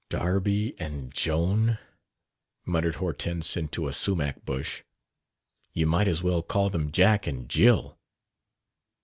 "'Darby and Joan'!" muttered Hortense into a sumach bush. "You might as well call them Jack and Jill!"